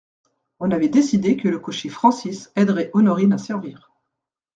On avait décidé que le cocher Francis aiderait Honorine à servir.